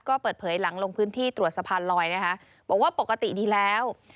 ก็เปิดเผยหลังลงพื้นที่ตรวจสะพานลอยนะคะบอกว่าปกติดีแล้ว